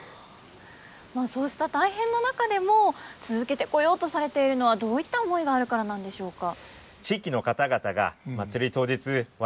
そうした大変な中でも続けてこようとされているのはどういった思いがあるからなんでしょうか？